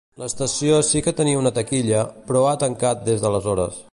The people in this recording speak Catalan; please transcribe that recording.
L'estació sí que tenia una taquilla, però ha tancat des d'aleshores.